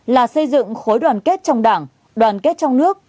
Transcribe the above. là xây dựng khối đoàn kết trong đảng đoàn kết trong nước